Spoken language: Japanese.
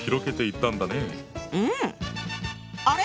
うん！あれ？